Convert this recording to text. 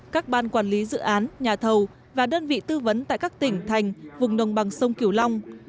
các ban quản lý dự án nhà thầu và đơn vị tư vấn tại các tỉnh thành vùng đồng bằng sông kiểu long